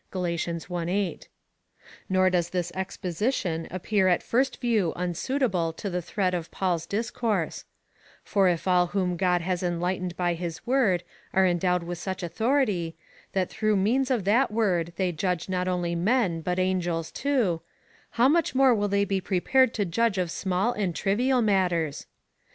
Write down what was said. (Gal. i. 8.) Nor does this exposition ap pear at first view unsuitable to the thread of Paul's dis course ; for if all whom God has enlightened by his word are endowed with such autliority, that through means of that word they judge not only men but angels too, how much more will they be prepared to judge of small and trivial matters